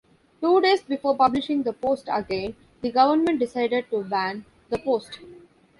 Two days before publishing the "Post" again the government decided to ban the "Post".